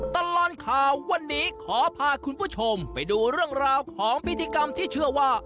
ตลอดข่าววันนี้ขอพาคุณผู้ชมไปดูเรื่องราวของพิธีกรรมที่เชื่อว่า